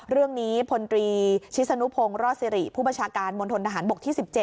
เรื่องนี้พลตรีชิสนุพงศ์รอดสิริผู้บัญชาการมณฑนทหารบกที่๑๗